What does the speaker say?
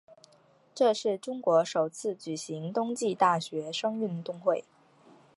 这是中国首次举行冬季大学生运动会。